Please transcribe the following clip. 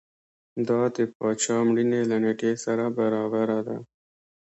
دا د پاچا مړینې له نېټې سره برابره ده.